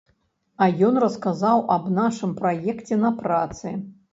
А ён расказаў аб нашым праекце на працы.